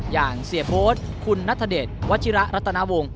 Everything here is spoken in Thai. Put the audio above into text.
อย่างเสียโพธคุณนัทเดชวัชิระรัตนาวงศ